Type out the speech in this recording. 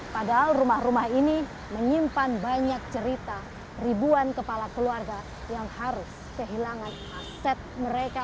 padahal rumah rumah ini menyimpan banyak cerita ribuan kepala keluarga yang harus kehilangan aset mereka